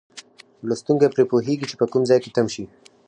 لوستونکی پرې پوهیږي چې په کوم ځای کې تم شي.